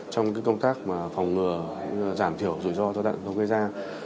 trong công tác phòng ngừa giảm thiểu rủi ro do tận không gây ra